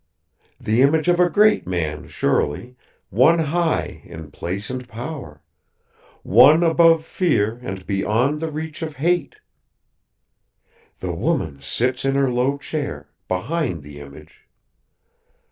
The image of a great man, surely; one high in place and power. One above fear and beyond the reach of hate! "The woman sits in her low chair, behind the image.